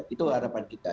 itu harapan kita